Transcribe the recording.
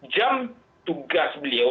jam tugas beliau